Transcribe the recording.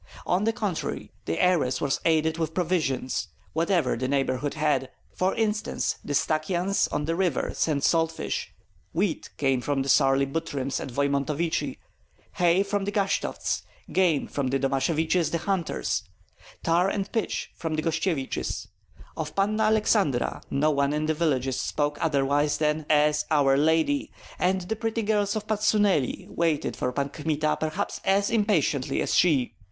On the contrary, the heiress was aided with provisions, whatever the neighborhood had; for instance, the Stakjans on the river sent salt fish, wheat came from the surly Butryms at Voimontovichi, hay from the Gashtovts, game from the Domasheviches (the hunters), tar and pitch from the Gostsyeviches. Of Panna Aleksandra no one in the villages spoke otherwise than as "our lady," and the pretty girls of Patsuneli waited for Pan Kmita perhaps as impatiently as she.